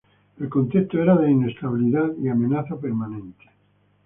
El contexto era de inestabilidad y amenaza permanente.